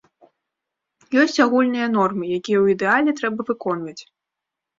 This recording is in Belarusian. Ёсць агульныя нормы, якія ў ідэале трэба выконваць.